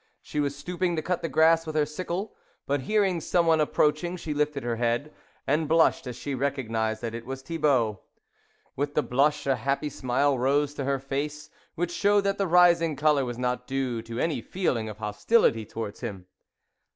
She was stooping to cut the grass with her sickle, but hearing someone ap proaching she lifted her head, and blushed as she recognised that it was Thibault. With the blush a happy smile rose to her face, which showed that the rising colour was not due to any feeling of hos ' tility towards him.